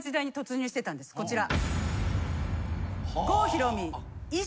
こちら。